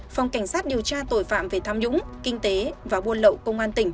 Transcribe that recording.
phòng cảnh sát điều tra tội phạm về tham nhũng kinh tế và buôn lậu công an tỉnh